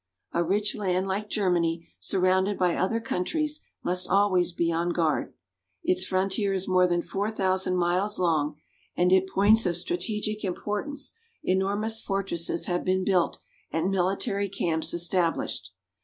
A rich land like Germany, surrounded by other countries, must always be on guard. Its frontier is more than four thousand miles long, and at points of strategic importance enormous fortresses have been built and military camps established.